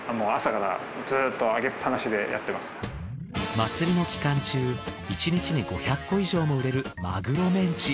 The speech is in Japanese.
祭りの期間中１日に５００個以上も売れるまぐろメンチ。